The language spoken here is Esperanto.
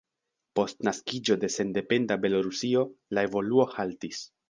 Post naskiĝo de sendependa Belorusio la evoluo haltis.